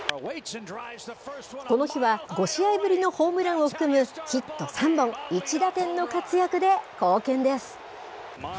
この日は５試合ぶりのホームランを含むヒット３本、１打点の活躍で貢献です。